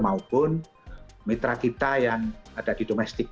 maupun mitra kita yang ada di domestik